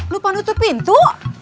lu panggung tutup pintu